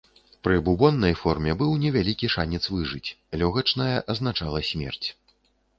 Пры бубоннай форме быў невялікі шанец выжыць, лёгачная азначала смерць.